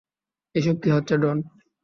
এসব কি হচ্ছে, ডন?